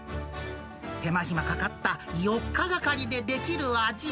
手間暇かかった４日がかりでできる味。